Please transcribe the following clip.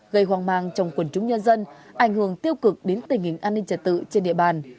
gây hoang mang trong quần chúng nhân dân ảnh hưởng tiêu cực đến tình hình an ninh trật tự trên địa bàn